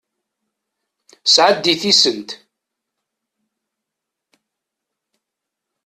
Sɛeddi tisent.